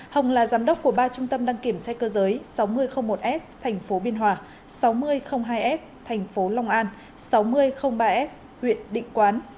hồng là giám đốc của ba trung tâm đăng kiểm xe cơ giới sáu nghìn một s thành phố biên hòa sáu nghìn hai s thành phố long an sáu nghìn ba s huyện định quán